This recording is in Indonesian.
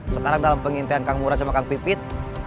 sekarang dalam pengintian kang muras sama kang pipit